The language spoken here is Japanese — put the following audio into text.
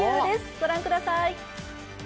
御覧ください。